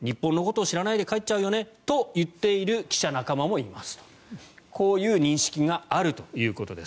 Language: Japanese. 日本のことを知らないで帰っちゃうよねと言っている記者仲間もいるということです。